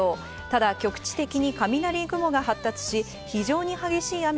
ただ局地的に雷雲が発達し、非常に激しい雨